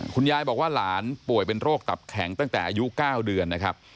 คุณยายบอกว่าหลานป่วยเป็นโรคตับแข็งตั้งแต่อายุ๙เดือนนะครับ